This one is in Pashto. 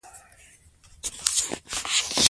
لوستې نجونې د باور خبرې پياوړې کوي.